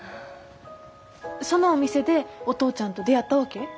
そのお店でお父ちゃんと出会ったわけ？